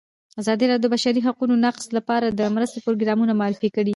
ازادي راډیو د د بشري حقونو نقض لپاره د مرستو پروګرامونه معرفي کړي.